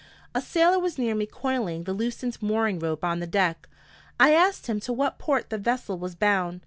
A sailor was near me coiling the loosened mooring rope on the deck. I asked him to what port the vessel was bound.